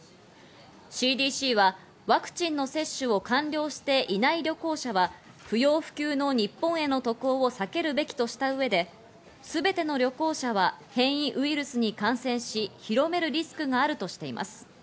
ＣＤＣはワクチンの接種を完了していない旅行者は、不要不急の日本への渡航を避けるべきとした上で、すべての旅行者は変異ウイルスに感染し広めるリスクがあるとしています。